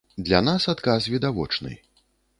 Для нас адказ відавочны.